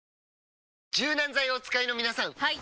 柔軟剤をお使いの皆さんはい！